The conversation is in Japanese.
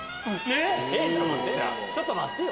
ちょっと待ってよ！